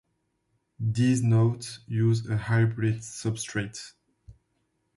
These notes use a hybrid substrate.